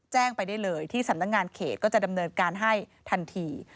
แจ้งไปได้เลยที่สำนักงานเขตก็จะดำเนินการให้ทันที